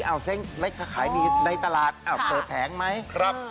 เอาแสงเล็กขายดีในตลาดอ่าเปิดแถงไหมครับ